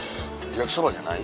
焼きそばじゃない？